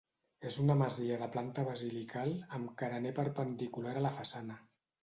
És una masia de planta basilical amb carener perpendicular a la façana.